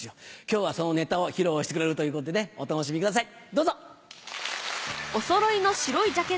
今日はそのネタを披露してくれるということでお楽しみください